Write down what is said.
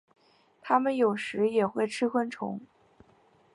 它们有时也会吃昆虫。